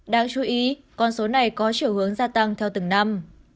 đáng chú ý con số này có chiều hướng gia tăng theo từng năm